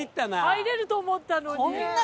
入れると思ったのに。